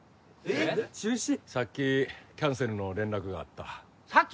さっきキャンセルの連絡があったさっき？